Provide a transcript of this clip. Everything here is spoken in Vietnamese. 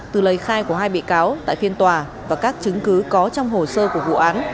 từ lời khai của hai bị cáo tại phiên tòa và các chứng cứ có trong hồ sơ của vụ án